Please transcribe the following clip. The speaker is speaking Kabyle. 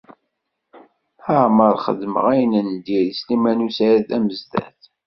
Laɛmeṛ i xedmeɣ ayen n diri i Sliman u Saɛid Amezdat.